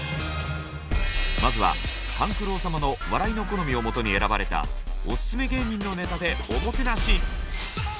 まずは勘九郎様の笑いの好みをもとに選ばれたオススメ芸人のネタでおもてなし。